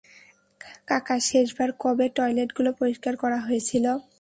কাকা, শেষবার কবে টয়লেটগুলো পরিষ্কার করা হয়েছিল?